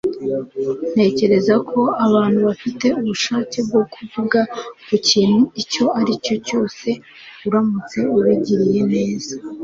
ntekereza ko abantu bafite ubushake bwo kuvuga ku kintu icyo ari cyo cyose uramutse ubigiriye neza